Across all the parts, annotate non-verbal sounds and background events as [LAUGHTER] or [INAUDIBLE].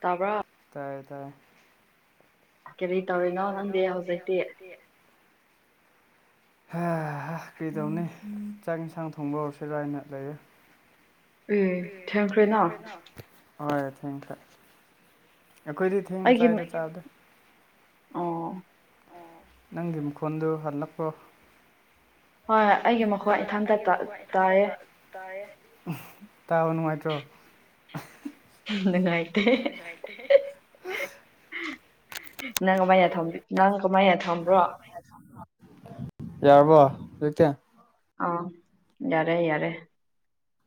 ꯇꯥꯕ꯭ꯔꯥ ꯇꯥꯏꯌꯦ ꯇꯥꯏꯌꯦ ꯀꯔꯤ ꯇꯧꯔꯤꯅꯣ ꯅꯪꯗꯤ ꯍꯧꯖꯤꯛꯇꯤ ꯍ ꯍꯥ ꯀ꯭ꯔꯤ ꯇꯧꯅꯤ ꯆꯥꯛ ꯢꯟꯁꯥꯡ ꯊꯣꯡꯕ ꯍꯧꯁꯤꯔꯥꯅ ꯂꯩꯌꯦ ꯑꯦ ꯊꯦꯡꯈ꯭ꯔꯦꯅ ꯍꯣꯏ ꯊꯦꯡꯈ꯭ꯔꯦ ꯑꯩꯈꯣꯏꯗꯤ ꯊꯦꯡꯅ ꯑꯩꯒꯤ ꯆꯥꯏꯌꯦꯗ ꯆꯥꯕꯗꯤ ꯑꯣ ꯅꯪꯒꯤ ꯈꯣꯟꯗꯣ ꯍꯜꯂꯛꯕꯔꯣ ꯍꯣꯏ ꯑꯩꯒꯤ ꯃꯈꯣꯟ ꯏꯟꯊꯥꯟꯇ ꯇꯥꯢꯌꯦ ꯇꯥꯢꯌꯦ ꯇꯥꯕ ꯅꯨꯡꯉꯥꯢꯇ꯭ꯔꯣ ꯅꯨꯡꯉꯥꯢꯇꯦ ꯍꯤ ꯍꯤ ꯅꯪ ꯀꯃꯥꯏꯅ ꯅꯪ ꯀꯃꯥꯏꯅ ꯊꯣꯡꯕ꯭ꯔꯣ ꯌꯥꯔꯕꯣ ꯍꯧꯖꯤꯛꯇꯤ ꯑꯥ ꯌꯥꯔꯦ ꯌꯥꯔꯦ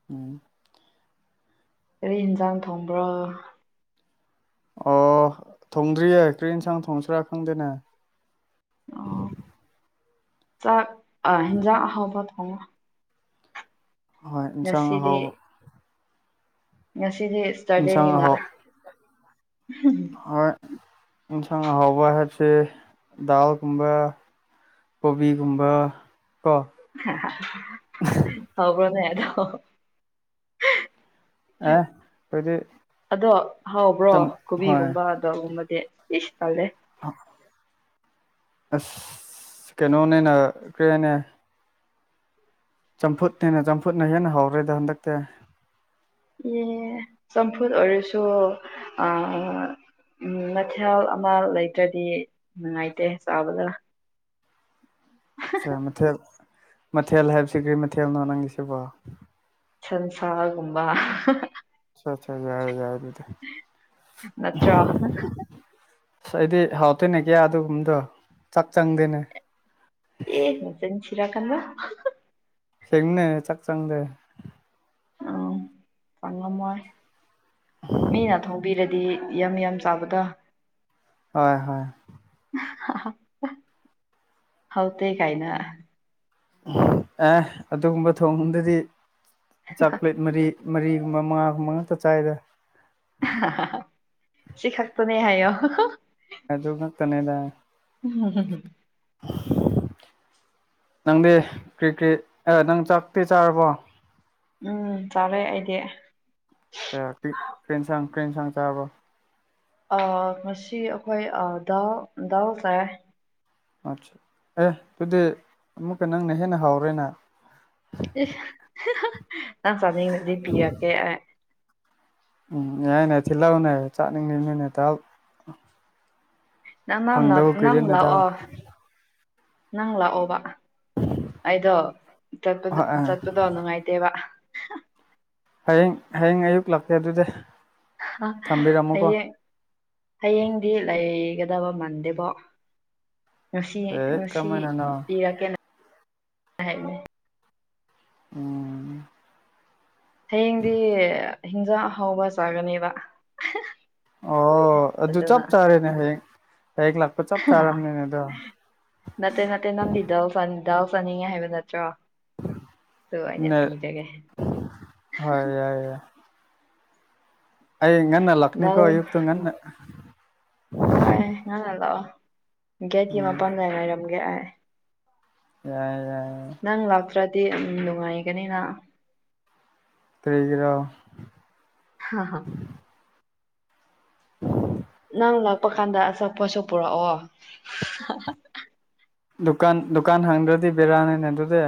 ꯎꯝ ꯀꯩ ꯌꯦꯟꯖꯥꯡ ꯊꯣꯡꯕ꯭ꯔꯣ ꯑꯣ ꯊꯣꯡꯗ꯭ꯔꯤꯌꯦ ꯀꯔꯤ ꯌꯦꯟꯁꯥꯡ ꯊꯣꯡꯁꯤꯔꯥ ꯈꯪꯗꯦꯅꯦ ꯑꯣ ꯆꯥꯛ ꯑ ꯍꯦꯟꯖꯥꯡ ꯑꯍꯥꯥꯎꯕ ꯊꯣꯡꯉꯣ ꯍꯣꯏ ꯏꯟꯁꯥꯡ ꯉꯁꯤꯗꯤ ꯑꯍꯥꯎꯕ ꯉꯁꯤꯗꯤ ꯑꯦꯁ ꯏꯟꯁꯥꯡ ꯑꯍꯥꯎ ꯍꯣꯏ ꯢꯟꯁꯥꯡ ꯑꯍꯥꯎꯕ ꯍꯥꯏꯕꯁꯦ ꯗꯥꯜꯒꯨꯝꯕ ꯀꯣꯕꯤꯒꯨꯝꯕ ꯀꯣ ꯗꯥꯎꯕ꯭ꯔꯣꯅꯦ ꯑꯗꯣ ꯑꯦ ꯑꯩꯈꯣꯏꯗꯤ ꯑꯗꯣ ꯍꯥꯎꯕ꯭ꯔꯣ ꯍꯣꯏ ꯀꯣꯕꯤꯒꯨꯝꯕ ꯒꯨꯝꯕꯗꯤ ꯏꯁ ꯇꯜꯂꯦ [INAUDIBLE] ꯑꯁ ꯀꯩꯅꯣꯅꯦꯅ ꯀꯔꯤ ꯍꯥꯏꯅꯦ ꯆꯝꯐꯨꯠꯅꯦꯅ ꯆꯝꯐꯨꯠꯅ ꯍꯦꯟꯅ ꯍꯧꯔꯦꯗ ꯍꯟꯗꯛꯇꯤ ꯌꯦ ꯆꯝꯐꯨꯠ ꯑꯣꯏꯔꯁꯨ ꯑꯦ ꯎꯝ ꯃꯊꯦꯜ ꯑꯃ ꯂꯩꯇ꯭ꯔꯗꯤ ꯅꯨꯡꯉꯥꯏꯇꯦ ꯆꯥꯕꯗ ꯃꯊꯦꯜ ꯃꯊꯦꯜ ꯍꯥꯏꯕꯁꯤ ꯀꯔꯤ ꯃꯊꯦꯜꯅꯣ ꯅꯪꯒꯤ ꯁꯤꯕꯣ ꯁꯟꯁꯥꯒꯨꯝꯕ ꯑꯆꯥꯆꯥ ꯌꯥꯢ ꯌꯥꯔꯦ ꯅꯠꯇ꯭ꯔꯣ ꯑꯁ ꯑꯩꯗꯤ ꯍꯥꯎꯇꯦꯅꯦ ꯀꯌꯥ ꯑꯗꯨꯒꯨꯝꯕꯗꯣ ꯆꯥꯛ ꯆꯪꯗꯦꯅꯦ ꯑꯦ ꯅꯆꯤꯟ ꯊꯤꯔꯛꯀꯅꯣ ꯑꯁꯦꯡꯕꯅꯦ ꯆꯥꯛ ꯆꯪꯗꯦ ꯆꯪꯉꯝꯃꯣꯏ ꯃꯤꯅ ꯊꯣꯡꯕꯤꯔꯗꯤ ꯌꯥꯝ ꯌꯥꯝ ꯆꯥꯕꯗꯣ ꯍꯣꯏ ꯍꯣꯏ ꯍꯥꯎꯇꯦ ꯀꯥꯏꯅ ꯑꯦ ꯑꯗꯨꯒꯨꯝꯕ ꯊꯣꯡꯕꯗꯗꯤ ꯆꯥꯛꯄ꯭ꯂꯦꯠ ꯃꯔꯤ ꯃꯔꯤꯒꯨꯝꯕ ꯃꯉꯥꯒꯨꯝꯕ ꯉꯥꯛꯇ ꯆꯥꯏꯗ ꯁꯤ ꯈꯥꯛꯇꯥꯅꯦ ꯍꯥꯏꯌꯣ ꯑꯗꯨ ꯉꯥꯛꯇꯅꯦꯗ ꯎ [INAUDIBLE] ꯅꯪꯗꯤ ꯀ꯭ꯔꯤ ꯀ꯭ꯔꯤ ꯅꯪ ꯆꯥꯛꯇꯤ ꯆꯥꯔꯕꯣ ꯎꯝ ꯆꯥꯔꯦ ꯑꯩꯗꯤ ꯑꯦ ꯀꯔꯤ ꯌꯦꯟꯁꯥꯡ ꯆꯥꯔꯕꯣ ꯑꯥ ꯉꯁꯤ ꯑꯩꯈꯣꯏ ꯗꯥꯜ ꯗꯥꯜ ꯆꯥꯢ ꯑꯦ ꯑꯗꯨꯗꯤ ꯑꯃꯨꯛꯀ ꯅꯪꯅ ꯍꯦꯟꯅ ꯍꯥꯎꯔꯦꯅ ꯍꯤ ꯍꯤ ꯅꯪ ꯆꯥꯅꯤꯡꯉꯗꯤ ꯄꯤꯔꯛꯀꯦ ꯑꯩ ꯎꯝ ꯌꯥꯢꯅꯦ ꯊꯤꯜꯔꯛꯎꯅꯦ ꯆꯥꯅꯤꯡꯉꯤꯅꯤꯅꯦ ꯗꯥꯜ ꯅꯪ ꯐꯪꯗꯕ ꯅꯪ ꯀꯨꯏꯔꯦꯅꯦ ꯗꯥꯜ ꯂꯥꯛꯑꯣ ꯅꯪ ꯂꯛꯑꯣꯕ ꯑꯩꯗꯣ ꯆꯠꯕꯗꯨ ꯍꯣꯏ ꯑ ꯆꯠꯄ ꯄꯥꯎ ꯅꯨꯡꯉꯥꯏꯇꯦꯕ ꯍꯌꯦꯡ ꯍꯌꯦꯡ ꯑꯌꯨꯛ ꯂꯛꯀꯦ ꯑꯗꯨꯗꯤ ꯊꯝꯕꯤꯔꯝꯃꯣꯀꯣ ꯍꯌꯦꯡ ꯍꯌꯦꯡꯗꯤ ꯂꯩꯒꯗꯕ ꯃꯟꯗꯦꯕꯣ ꯉꯁꯤ ꯑꯦ ꯉꯁꯤ ꯀꯃꯥꯏꯅꯅꯣ ꯄꯤꯔꯛꯀꯦꯅ ꯍꯥꯏꯕꯥꯅꯦ ꯫ ꯑ ꯍꯌꯦꯡꯗꯤ ꯍꯤꯟꯖꯥꯡ ꯍꯥꯎꯕ ꯆꯥꯒꯅꯦꯕ ꯑꯣ ꯑꯗꯨ ꯑꯗꯨꯅ ꯆꯞꯆꯥꯔꯦꯅꯦ ꯍꯌꯦꯡ ꯍꯌꯦꯡ ꯂꯥꯛꯄ ꯆꯞ ꯆꯥꯔꯕꯅꯤꯅꯦ ꯑꯗꯣ ꯅꯠꯇꯦ ꯅꯠꯇꯦ ꯅꯪꯗꯤ ꯗꯥꯎ ꯗꯥꯎ ꯆꯥꯅꯤꯡꯉꯦ ꯍꯥꯏꯕ ꯅꯠꯇ꯭ꯔꯣ ꯑꯩꯅ ꯅꯦ ꯄꯤꯖꯒꯦ ꯍꯣꯏ ꯌꯥꯏ ꯌꯥꯏ ꯑꯩ ꯉꯟꯅ ꯂꯥꯛꯀꯅꯤ ꯀꯣ ꯗꯥꯜ ꯑꯌꯨꯛꯇꯨ ꯉꯟꯅ꯫ ꯍꯥꯏ ꯉꯟꯅ ꯂꯥꯛꯑꯣ ꯒꯦꯠꯀꯤ ꯎꯝ ꯃꯄꯜꯗ ꯉꯥꯏꯔꯝꯒꯦ ꯑꯩ꯫ ꯌꯥꯏ ꯌꯥꯏ ꯅꯪ ꯂꯥꯛꯇ꯭ꯔꯗꯤ ꯅꯨꯡꯉꯥꯏꯒꯅꯤꯅ ꯀꯔꯤꯒꯤꯔ ꯍꯥ ꯍꯥ ꯎ [INAUDIBLE] ꯅꯪ ꯂꯥꯛꯄ ꯀꯥꯟꯗ ꯑꯆꯥꯄꯣꯠ ꯁꯨ ꯄꯨꯔꯛꯑꯣ ꯗꯨꯀꯥꯟ ꯗꯨꯀꯥꯟ ꯍꯪꯗ꯭ꯔꯗꯤ ꯕꯦꯔꯥꯅꯤꯅꯦ ꯑꯗꯨꯗꯤ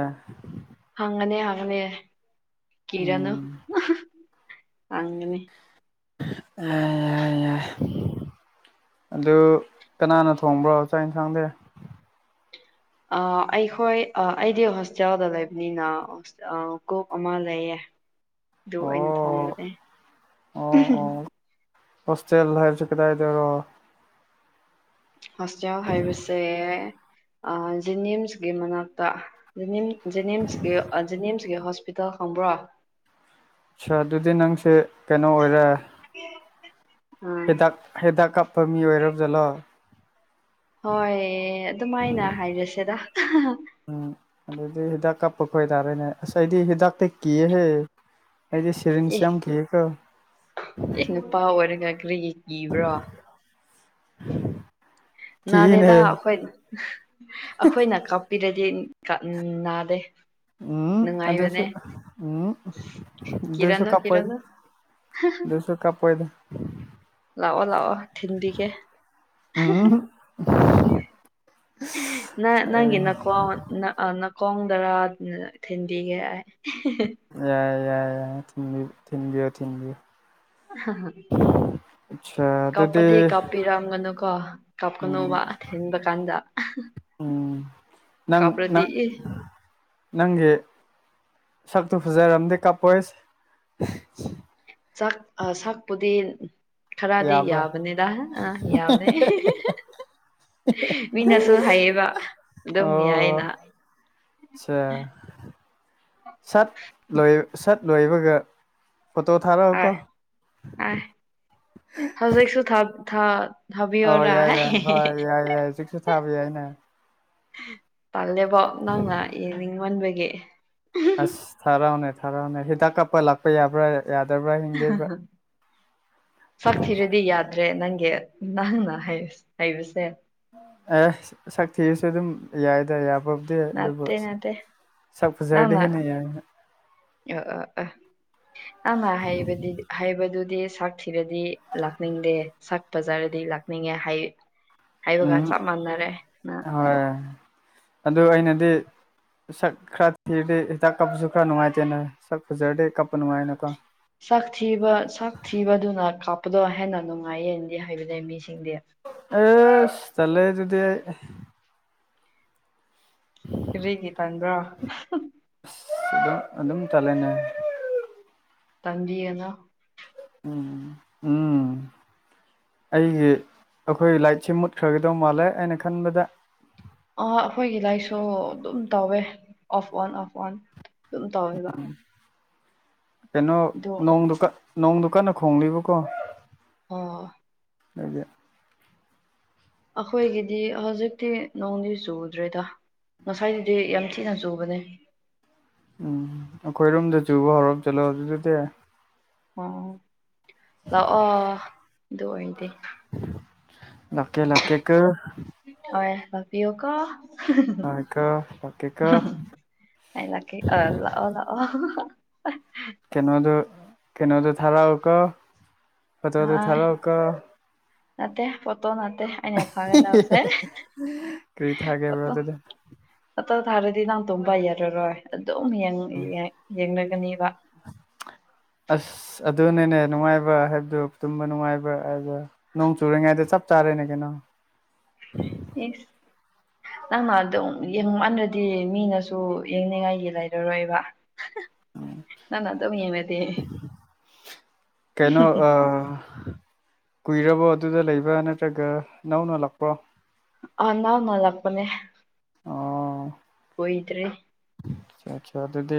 ꯍꯪꯉꯅꯤ ꯍꯪꯉꯅꯤ ꯀꯤꯒꯅꯨ ꯎꯝ ꯍꯪꯒꯅꯤ ꯌꯥꯢ ꯌꯥꯏ ꯌꯥꯏ ꯑꯗꯨ ꯀꯅꯥꯅ ꯊꯣꯡꯕ꯭ꯔꯣ ꯆꯥꯛ ꯌꯦꯟꯁꯥꯡꯗꯤ ꯑ ꯑꯩꯈꯣꯏ ꯑꯩꯗꯤ ꯍꯣꯁꯇꯦꯜꯗ ꯂꯩꯕꯅꯤꯅ ꯀꯣꯞ ꯑꯃ ꯂꯩꯌꯦ ꯑꯗꯨ ꯑ ꯑꯣꯏꯅ ꯑꯣ ꯊꯣꯡꯕꯅꯦ ꯑꯣ ꯑꯣ [UNINTELLIGIBLE] ꯍꯣꯁꯇꯦꯜ ꯍꯥꯏꯕꯁꯦ ꯀꯗꯥꯥꯏꯗꯔꯣ? ꯍꯣꯁꯇꯦꯜ ꯍꯥꯏꯕꯁꯦ ꯖꯤꯅꯤꯝꯁꯀꯤ ꯃꯅꯥꯛꯇ ꯖꯤꯅꯤꯝ ꯖꯦꯅꯤꯝꯁ ꯖꯦꯅꯤꯝꯁꯒꯤ ꯍꯣꯁꯄꯤꯇꯥꯜ ꯈꯪꯕ꯭ꯔꯣ? ꯑ ꯑꯗꯨꯗꯤ ꯅꯪꯁꯦ ꯀꯩꯅꯣ ꯑꯣꯏꯔꯦ ꯎꯝ ꯍꯤꯗꯥꯛ ꯍꯤꯗꯥꯛ ꯀꯥꯞꯄ ꯃꯤ ꯑꯣꯏꯔꯕ ꯖꯥꯠꯂꯣ? ꯍꯣꯏ ꯑꯗꯨꯃꯥꯏꯅ ꯍꯥꯏꯔꯁꯦꯗ ꯎꯝ ꯑꯗꯨꯗꯤ ꯍꯤꯗꯥꯛ ꯀꯥꯞꯄ ꯈꯣꯏꯇꯥꯔꯦꯅꯦ ꯉꯁꯥꯏꯗꯤ ꯍꯤꯗꯥꯛꯇ ꯀꯤꯌꯦꯍꯦ ꯑꯩꯗꯤ ꯁꯤ ꯑꯦ ꯑꯦ ꯅꯨꯄꯥ ꯑꯣꯏꯔꯒ ꯀꯔꯤꯒꯤ ꯀꯤꯕ꯭ꯔꯣ? [UNINTELLIGIBLE] ꯅꯥꯗꯦꯗ ꯑꯈꯣꯏ ꯑꯈꯣꯏꯅ ꯀꯛꯄꯤꯔꯗꯤ ꯅꯥꯗꯦ ꯎꯝ ꯑꯦꯗꯨꯁꯨ ꯅꯨꯡꯉꯥꯏꯕꯅꯦ ꯎꯝ ꯗꯨꯁꯨ ꯀꯤꯔꯅꯨ ꯀꯞꯄꯣꯏ꯫ ꯀꯤꯔꯅꯨ ꯗꯨꯁꯨ ꯀꯞꯄꯣꯏꯗ ꯂꯥꯛꯑꯣ ꯂꯥꯛꯑꯣ ꯊꯤꯟꯕꯤꯒꯦ ꯎꯝ ꯅꯪꯒꯤ ꯌꯥꯏ ꯅꯥꯈꯣꯡ ꯅꯥꯈꯣꯡꯗꯔꯥ ꯊꯤꯟꯕꯤꯒꯦ ꯑꯩ꯫ [UNINTELLIGIBLE] ꯌꯥꯏ ꯌꯥꯏ ꯌꯥꯏ ꯊꯤꯟꯕꯤꯌꯨ ꯊꯤꯟꯕꯤꯌꯨ ꯊꯤꯟꯗꯤꯌꯨ꯫ [UNINTELLIGIBLE] ꯑꯆꯥ ꯀꯥꯞꯄꯗꯤ ꯀꯥꯞꯄꯤꯔꯝꯒꯅꯨ ꯀꯣ ꯀꯥꯞꯀꯅꯨꯕ ꯎꯝ ꯊꯤꯟꯕ ꯀꯥꯟꯗ꯫ ꯎꯝ ꯅꯪ ꯀꯞꯔꯗꯤ ꯅꯪ ꯏ ꯅꯪꯒꯤ ꯁꯛꯇꯨ ꯐꯖꯔꯝꯗꯦ ꯀꯥꯞꯄꯣꯏꯁ ꯆꯥꯛ ꯑ ꯁꯥꯛꯄꯨꯗꯤ ꯈꯔꯗꯤ ꯌꯥꯕ꯭ꯔꯥ ꯌꯥꯕꯅꯦꯗ ꯑ ꯌꯥꯕꯅꯦ ꯃꯤꯅꯁꯨ ꯍꯥꯏꯌꯦꯕ ꯑꯗꯨꯝ ꯌꯥꯏꯌꯦꯅ ꯑꯣ ꯑꯆꯥ ꯁꯠ ꯂꯣꯏ ꯁꯠ ꯂꯣꯏꯕꯒ ꯐꯣꯇꯣ ꯊꯥꯔꯛꯑꯣ ꯀꯣ ꯑ ꯍꯧꯖꯤꯛꯁꯨ ꯊꯥ ꯊꯥ ꯑꯧ ꯊꯥꯕꯤꯌꯣꯔꯥ ꯌꯥꯏ ꯌꯥꯏ ꯍꯣꯏ ꯌꯥꯏ ꯌꯥꯏ ꯍꯧꯖꯤꯛꯁꯨ ꯊꯥꯕ ꯌꯥꯏꯅ ꯄꯜꯂꯦꯕꯣ ꯅꯪꯅ ꯌꯦꯡꯅꯤꯡꯃꯟꯕꯒꯤ ꯑꯁ ꯊꯥꯔꯛꯎꯅꯦ ꯊꯥꯔꯛꯎꯅꯦ ꯍꯤꯗꯥꯛ ꯀꯥꯞꯄ ꯂꯥꯛꯄ ꯌꯥꯕ꯭ꯔꯥ ꯌꯥꯗꯕ꯭ꯔꯥ [UNINTELLIGIBLE] ꯁꯛ ꯊꯤꯔꯗꯤ ꯌꯥꯗ꯭ꯔꯦ ꯅꯪꯒꯤ ꯅꯪꯅ ꯍꯥꯏꯁ ꯍꯥꯏꯕꯁꯦ ꯑꯦꯁ ꯁꯛ ꯊꯤꯔꯁꯨ ꯑꯗꯨꯝ ꯌꯥꯏꯗ ꯌꯥꯕ ꯗꯦ ꯑꯗꯨꯕꯨ ꯅꯠꯇꯦ ꯅꯠꯇꯦ ꯁꯛ ꯐꯖꯔꯗꯤ ꯅꯪꯅ ꯍꯦꯟꯅ ꯌꯥꯏꯅ [UNINTELLIGIBLE] ꯑꯃ ꯍꯥꯏꯕꯗꯤ ꯍꯩꯕꯗꯨꯗꯤ ꯁꯥꯛ ꯊꯤꯕꯗꯤ ꯂꯥꯛꯅꯤꯡꯗꯦ ꯁꯛ ꯄꯖꯔꯗꯤ ꯂꯥꯛꯅꯤꯡꯉꯦ ꯍꯥꯏꯌꯦ ꯍꯥꯏꯕꯒ ꯎꯝ ꯆꯞ ꯃꯥꯟꯅꯔꯦ ꯅꯪ ꯍꯣꯏ ꯑꯗꯨ ꯑꯩꯅꯗꯤ ꯁꯛ ꯈꯔ ꯊꯤꯔꯗꯦ ꯍꯤꯗꯥꯛ ꯀꯥꯞꯄꯁꯨ ꯈꯔ ꯅꯨꯡꯉꯥꯏꯇꯦꯅ ꯁꯛ ꯐꯖꯔꯗꯤ ꯀꯞꯄ ꯅꯨꯡꯉꯥꯏꯅꯀꯣ꯫ ꯁꯛ ꯊꯤꯕ ꯁꯛ ꯊꯤꯕꯗꯨꯅ ꯀꯥꯞꯄꯗꯣ ꯍꯦꯟꯅ ꯅꯨꯡꯉꯥꯏꯌꯦꯅꯗꯤ ꯍꯥꯏꯕꯅꯦ ꯃꯤꯁꯤꯡꯗꯤ ꯑꯦꯁ! ꯇꯜꯂꯦ ꯑꯗꯨꯗꯤ ꯀꯔꯤꯒꯤ ꯇꯟꯕ꯭ꯔꯣ? ꯑꯁ ꯑꯗꯨꯝ ꯑꯗꯨꯝ ꯇꯜꯂꯦꯅꯦ ꯇꯟꯕꯤꯒꯅꯨ ꯎꯝ ꯎꯝ ꯑꯩꯒꯤ ꯑꯩꯈꯣꯏ ꯂꯥꯏꯠꯁꯦ ꯃꯨꯠꯈ꯭ꯔꯒꯗꯧ ꯃꯥꯜꯂꯦ ꯑꯩꯅ ꯈꯟꯕꯗ꯫ ꯑ ꯑꯩꯈꯣꯏꯒꯤ ꯂꯥꯏꯔꯤꯛꯁꯨ ꯑꯗꯨꯝ ꯇꯧꯋꯦ ꯑꯣꯐ ꯑꯣꯟ ꯑꯣꯐ ꯑꯣꯟ ꯑꯗꯨꯝ ꯇꯧꯋꯦꯕ ꯀꯩꯅꯣ ꯑꯗꯣ ꯅꯣꯡꯗꯨ ꯀꯠ ꯅꯣꯡꯗꯨ ꯀꯟꯅ ꯈꯣꯡꯂꯤꯕꯀꯣ ꯑꯣ ꯅꯣꯏꯗꯤ ꯑꯩꯈꯣꯏꯒꯤꯗꯤ ꯍꯧꯖꯤꯛꯇꯤ ꯅꯣꯡꯗꯤ ꯆꯨꯗ꯭ꯔꯦꯗ ꯉꯁꯥꯏꯗꯨꯗꯤ ꯌꯥꯝ ꯊꯤꯅ ꯆꯨꯕꯅꯦ ꯎꯝ ꯑꯩꯈꯣꯏꯔꯣꯝꯗ ꯆꯨꯕ ꯍꯧꯔꯞ ꯆꯠꯂꯣꯑꯣ ꯑꯗꯨꯗꯤ ꯑꯣ ꯂꯥꯛꯑꯣ ꯑꯗꯨ ꯑꯣꯏꯔꯗꯤ ꯂꯥꯛꯀꯦ ꯂꯥꯛꯀꯦ ꯀꯣ ꯍꯣꯏ ꯄꯤꯌꯨꯀꯣ ꯂꯥꯛꯀꯦꯀꯣ ꯂꯥꯛꯀꯦꯀꯣ [UNINTELLIGIBLE] ꯑ ꯂꯀꯦ ꯑ ꯂꯥꯑꯣ ꯂꯥꯑꯣ ꯀꯩꯅꯣꯗꯨ ꯀꯩꯅꯣꯗꯨ ꯊꯥꯔꯛꯎꯀꯣ ꯐꯣꯠꯇꯣꯗꯨ ꯍꯥꯏ ꯊꯥꯔꯛꯎꯀꯣ ꯅꯠꯇꯦ ꯐꯠꯇꯣ ꯅꯠꯇꯦ ꯑꯩꯅ ꯊꯥꯒꯗꯕꯁꯦ ꯀꯔꯤ ꯊꯥꯒꯦꯕ꯭ꯔꯣ ꯐꯣꯠꯇꯣ ꯑꯗꯨꯗꯤ ꯇꯇꯧ ꯊꯥꯔꯗꯤ ꯅꯪ ꯇꯨꯝꯕ ꯌꯥꯔꯔꯣꯏ ꯑꯗꯨꯝ [UNINTELLIGIBLE] ꯌꯦꯡꯅꯒꯅꯦꯕ ꯑꯁ ꯑꯗꯨꯅꯦꯅꯦ ꯅꯨꯡꯉꯥꯏꯕ ꯍꯥꯏꯕꯗꯨ ꯇꯨꯝꯕ ꯅꯨꯡꯉꯥꯏꯕ [UNINTELLIGIBLE] ꯅꯣꯡ ꯆꯨꯔꯤꯉꯩꯗ ꯆꯞ ꯆꯥꯔꯦꯅꯦ ꯀꯩꯅꯣ [UNINTELLIGIBLE] ꯅꯪꯅ ꯑꯗꯨꯝ ꯌꯦꯡꯃꯟꯂꯗꯤ ꯃꯤꯅꯁꯨ ꯌꯦꯡꯅꯤꯡꯉꯥꯏꯒꯤ ꯂꯩꯔꯔꯣꯏꯕ ꯅꯪꯅ ꯑꯗꯨꯝ ꯌꯦꯡꯂꯥꯗꯤ ꯀꯩꯅꯣ ꯑ ꯀꯨꯏꯔꯕꯣ ꯑꯗꯨꯗ ꯂꯩꯕ ꯅꯠꯇ꯭ꯔꯒ ꯅꯧꯅ ꯂꯥꯛꯄ꯭ꯔꯣ ꯑ ꯅꯧꯅ ꯂꯛꯄꯅꯦ ꯑꯣꯏꯗ꯭꯭ꯔꯦ ꯑꯆꯥꯆꯥ ꯑꯗꯨꯗꯤ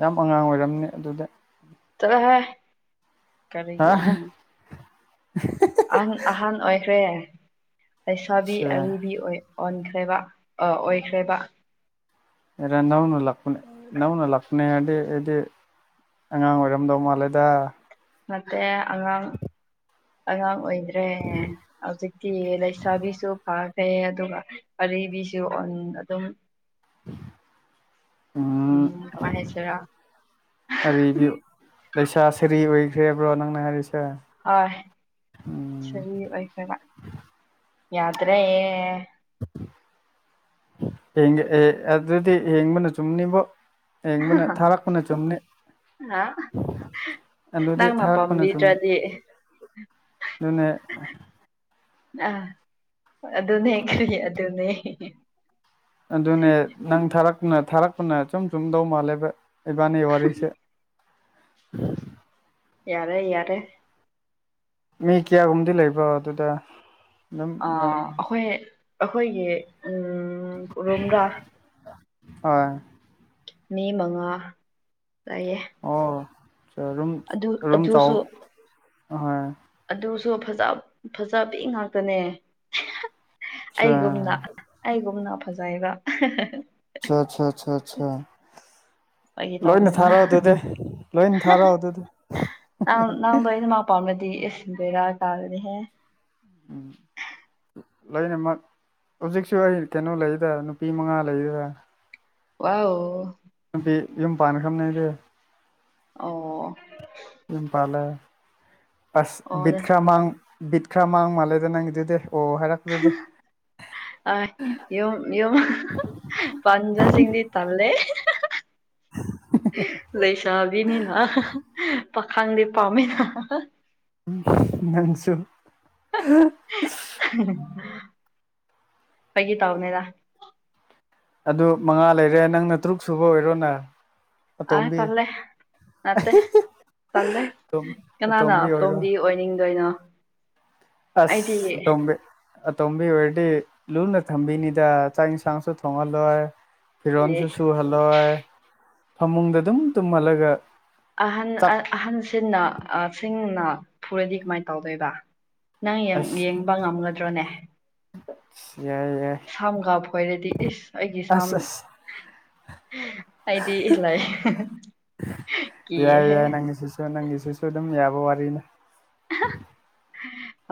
ꯌꯥꯝ ꯑꯉꯥꯡ ꯑꯣꯏꯔꯝꯅꯤ ꯑꯗꯨꯗꯤ ꯆꯠꯂꯣꯍꯦ ꯍꯥ ꯀꯔꯤꯒꯤ ꯑꯃ ꯑꯍꯟ ꯑꯍꯟ ꯑꯣꯏꯈ꯭ꯔꯦ ꯂꯩꯁꯥꯕꯤ ꯑꯆꯥ ꯑꯔꯤꯕꯤ ꯑꯣꯏ ꯑꯣꯟꯈ꯭ꯔꯦꯕ ꯑ ꯑꯣꯏꯈ꯭ꯔꯦꯕ ꯑꯦꯔꯟ ꯅꯧꯅ ꯂꯥꯛꯄꯅꯦ ꯅꯧꯅ ꯂꯥꯛꯄꯅꯦ ꯍꯥꯏꯔꯗꯤ ꯑꯩꯗꯤ ꯑꯉꯥꯡ ꯑꯣꯏꯔꯝꯗꯧ ꯃꯥꯜꯂꯦꯗ [UNINTELLIGIBLE] ꯑꯉꯥꯡ ꯑꯉꯥꯡ ꯑꯣꯏꯗ꯭ꯔꯦ ꯍꯧꯖꯤꯛꯇꯤ ꯂꯩꯁꯥꯕꯤꯁꯨ ꯐꯈ꯭ꯔꯦ ꯑꯗꯨꯒ ꯑꯔꯤꯕꯤꯁꯨ ꯎꯟ ꯑꯗꯨꯝ [INAUDIBLE] ꯎꯝ ꯀꯃꯥꯏ ꯍꯥꯏꯁꯤꯔꯥ ꯑ ꯑꯔꯤꯕꯤ ꯂꯩꯁꯥ ꯁꯔꯤ ꯑꯣꯏꯈ꯭ꯔꯦ ꯍꯥꯕ꯭ꯔꯣ ꯅꯪꯅ ꯍꯥꯏꯔꯤꯁꯦ ꯍꯣꯏ ꯎꯝ ꯁꯔꯤ ꯑꯣꯏꯈ꯭ꯔꯕ ꯌꯥꯗ꯭ꯔꯦ ꯑꯗꯨꯗꯤ ꯌꯦꯡꯕꯅ ꯆꯨꯝꯅꯤꯡꯕꯣ ꯌꯦꯕꯅ ꯊꯥꯔꯛꯄꯅꯦ ꯆꯨꯝꯅꯦ ꯑꯗꯨꯗꯤ ꯅꯪꯅ ꯊꯥꯔꯛꯄꯅ ꯆꯨꯝ ꯄꯥꯝꯕꯤꯗ꯭ꯔꯗꯤ ꯑꯗꯨꯅꯦ [UNINTELLIGIBLE] ꯑꯗꯨꯅꯦ ꯀꯔꯤ ꯑꯗꯨꯅꯦ ꯑꯗꯨꯅꯦ ꯅꯪ ꯊꯥꯔꯛꯄꯅ ꯊꯥꯔꯛꯄꯅ ꯑꯆꯨꯝ ꯆꯨꯝꯗꯧ ꯃꯥꯜꯂꯦꯕ ꯏꯕꯥꯅꯤ ꯋꯥꯔꯤꯁꯦ ꯌꯥꯔꯦ ꯌꯥꯔꯦ ꯃꯤ ꯀꯌꯥꯒꯨꯝꯗꯤ ꯂꯩꯕ꯭ꯔꯣ ꯑꯗꯨꯗ ꯑꯗꯨꯝ ꯑꯥ ꯅꯣꯏ ꯑꯩꯈꯣꯏ ꯑꯩꯈꯣꯏꯒꯤ ꯔꯣꯝꯗ꯭ꯔꯥ ꯍꯣꯏ ꯃꯤ ꯃꯉꯥ ꯂꯩꯌꯦ ꯑꯣ ꯔꯨꯝ ꯑꯗꯨ ꯔꯨꯝ ꯆꯥꯎ ꯑꯗꯨꯁꯨ ꯍꯣꯏ ꯑꯗꯨꯁꯨ ꯐꯖ ꯐꯖ ꯄꯤ ꯉꯥꯛꯇꯅꯦ [UNINTELLIGIBLE] ꯑꯆꯥ ꯑꯩꯒꯨꯝꯅ ꯑꯆꯥ ꯑꯩꯒꯨꯝꯅ ꯐꯖꯩꯕꯥ ꯆꯥ ꯆꯥ ꯆꯥ ꯆꯥ ꯑꯩꯒꯤ ꯇꯧꯕꯅꯤꯅ ꯂꯣꯏꯅ ꯊꯥꯔꯛꯑꯣ ꯑꯗꯨꯗꯤ ꯅꯪ ꯅꯪꯗꯣ ꯑꯩꯅ ꯄꯥꯝꯂꯗꯤ ꯏꯁ ꯚꯦꯔꯥ ꯀꯥꯒꯅꯤꯍꯦ [INAUDIBLE] ꯂꯣꯏꯅꯃꯛ ꯍꯧꯖꯤꯛꯁꯨ ꯑꯩ ꯀꯩꯅꯣ ꯂꯩꯔꯤꯗ ꯅꯨꯄꯤ ꯃꯉꯥ ꯂꯩꯔꯤꯔ ꯋꯥꯎ ꯅꯨꯄꯤ ꯌꯨꯝ ꯄꯥꯟꯈ꯭ꯔꯕꯥꯅꯦ ꯑꯩꯗꯤ ꯑꯣ ꯌꯨꯝ ꯄꯥꯜꯂꯦ ꯑꯁ ꯑꯣ ꯕꯤꯠ ꯈꯔ ꯃꯥꯡ ꯕꯤꯠ ꯈꯔ ꯃꯥꯡ ꯃꯥꯜꯂꯦꯗ ꯅꯪꯒꯤ ꯑꯗꯨꯗꯤ ꯑꯣ ꯍꯥꯏꯔꯛꯄꯗꯤ ꯑꯣꯏ ꯌꯨꯝ ꯌꯨꯝ [UNINTELLIGIBLE] ꯄꯥꯟꯕꯁꯤꯡꯗꯤ ꯇꯂꯦ ꯂꯩꯁꯥꯕꯤꯅꯤꯅ ꯄꯥꯈꯪꯗꯤ ꯄꯥꯝꯃꯤ ꯎꯝ ꯅꯪꯁꯨ ꯕꯒꯤ ꯇꯧꯕꯅꯤꯗ ꯑꯗꯨ ꯃꯉꯥ ꯂꯩꯔꯦ ꯅꯪꯅ ꯇꯔꯨꯛ ꯁꯨꯕ ꯑꯣꯏꯔꯣꯅ ꯑꯥ ꯑꯇꯣꯝꯕꯤ ꯇꯜꯂꯦ ꯅꯠꯇꯦ ꯇꯜꯂꯦ ꯀꯅꯥꯅ ꯑꯇꯣꯝꯕꯤ ꯑꯣꯏꯅꯤꯡꯗꯣꯏꯅꯣ ꯑꯩꯗꯤ ꯑꯁ ꯑꯇꯣꯝꯕꯤ ꯑꯇꯣꯝꯕꯤ ꯑꯣꯏꯔꯗꯤ ꯂꯨꯅ ꯊꯝꯕꯤꯅꯤꯗꯥ ꯆꯥꯛ ꯏꯟꯁꯥꯡꯁꯨ ꯊꯣꯡꯍꯜꯂꯣꯏ ꯐꯤꯔꯣꯟꯁꯨ ꯁꯨꯍꯜꯂꯣꯏ ꯐꯃꯨꯡꯗ ꯑꯗꯨꯝ ꯇꯨꯝꯍꯜꯂꯒ ꯑꯍꯟ ꯆꯥꯛ ꯑ ꯑꯍꯟꯁꯤꯟꯅ ꯑ ꯁꯤꯡꯅ ꯐꯨꯔꯗꯤ ꯀꯃꯥꯏ ꯇꯧꯗꯣꯏꯕ ꯅꯪ ꯌꯦꯡ ꯌꯦꯡꯕ ꯉꯝꯒꯗ꯭ꯔꯣꯅꯦ ꯁ ꯌꯥꯏ ꯌꯥꯏ ꯁꯥꯝ ꯀꯥꯕꯣꯏꯔꯗꯤ ꯏꯁ ꯑꯩꯒꯤ ꯁꯝ ꯑꯁ ꯑꯁ ꯍꯥꯏꯗꯤ ꯂꯥꯏ ꯀꯤꯍꯦ ꯑꯗꫭ ꯅꯪꯒꯤꯁꯤꯁꯨ ꯑꯗꯨꯝ ꯌꯥꯕ ꯋꯥꯔꯤꯅꯤ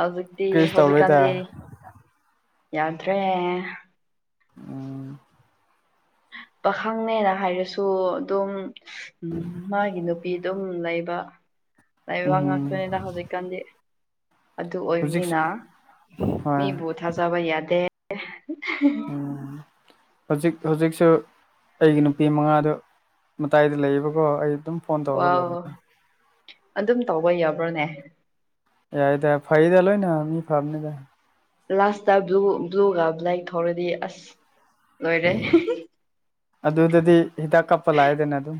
ꯍꯧꯖꯤꯛꯇꯤ ꯀ꯭ꯔꯤꯁꯨ ꯇꯧꯔꯣꯏꯗ ꯍꯧꯖꯤꯛꯀꯥꯟꯗꯤ ꯌꯥꯗ꯭ꯔꯦ ꯎꯝ ꯄꯥꯈꯪꯅꯦꯅ ꯍꯥꯏꯔꯁꯨ ꯑꯗꯨꯝ ꯎꯝ ꯃꯥꯒꯤ ꯅꯨꯄꯤ ꯗꯨꯝ ꯂꯩꯕ ꯂꯩꯕ ꯎꯝ ꯉꯥꯛꯇꯣꯏꯅꯤꯗ ꯍꯧꯖꯤꯛꯀꯥꯟꯗꯤ ꯑꯗꯨ ꯍꯧꯖꯤꯛ ꯑꯣꯏꯕꯅꯤꯅ ꯍꯣꯏ ꯃꯤꯕꯨ ꯊꯥꯖꯕ ꯌꯥꯗꯦ ꯎꯝ ꯍꯧꯖꯤꯛ ꯍꯧꯖꯤꯛꯁꯨ ꯑꯩꯒꯤ ꯅꯨꯄꯤ ꯃꯉꯥꯗꯨ ꯃꯇꯥꯏꯗ ꯂꯩꯌꯦꯕꯀꯣ ꯑꯩ ꯑꯗꯨꯝ ꯐꯣꯟ ꯇꯧꯔꯒ ꯋꯥꯎ ꯂꯩꯕꯅꯤ ꯑꯗꯨꯝ ꯇꯧꯕ ꯌꯥꯕ꯭ꯔꯣꯅꯦ ꯌꯥꯏꯗ ꯐꯩꯗ ꯂꯣꯏꯅ ꯃꯤ ꯐꯥꯝꯅꯦꯗ ꯂꯥꯁꯇ ꯕ꯭ꯂꯨ ꯕ꯭ꯂꯨꯒ ꯕ꯭ꯂꯦꯛ ꯊꯧꯔꯗꯤ ꯑꯁ ꯂꯣꯏꯔꯦ ꯑꯗꯨꯗꯗꯤ ꯍꯤꯗꯥꯛ ꯀꯥꯞꯄ ꯂꯥꯛꯑꯦꯗꯅ ꯑꯗꯨꯝ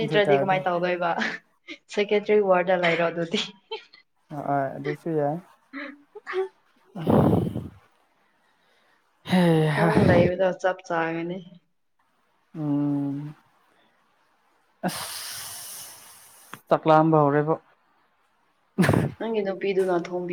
ꯑꯗꯨ ꯇꯥꯔꯗꯤ ꯀꯃꯥꯏꯅ ꯇꯧꯗꯣꯏꯕ ꯁꯦꯀꯦꯇ꯭ꯔꯤ ꯋꯥꯔꯗ ꯂꯩꯔꯣ ꯑꯗꯨꯗꯤ ꯍꯣ ꯍꯣꯏ ꯑꯗꯨꯁꯨ ꯌꯥꯏ [UNINTELLIGIBLE] ꯍꯩꯍꯥ ꯅꯪ ꯂꯩꯕꯗꯣ ꯆꯞ ꯆꯥꯒꯅꯤ ꯎꯝ ꯑꯁ ꯆꯥꯛꯂꯥꯝꯕ ꯍꯧꯔꯦꯕ [UNINTELLIGIBLE] ꯅꯪꯒꯤ ꯅꯨꯄꯤꯗꯨꯅ ꯊꯣꯡꯕꯤꯌꯨ